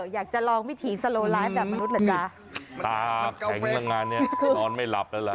อยากจะลองวิธีแบบมนุษย์เหรอจ้าตาแข็งดังงานเนี้ยนอนไม่หลับแล้วล่ะ